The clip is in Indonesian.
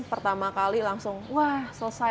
pertama kali langsung wah selesai